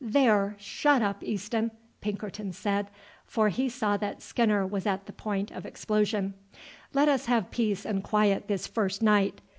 "There, shut up Easton!" Pinkerton said, for he saw that Skinner was at the point of explosion; "let us have peace and quiet this first night.